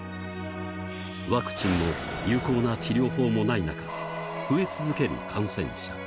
ワクチンも有効な治療法もない中、増え続ける感染者。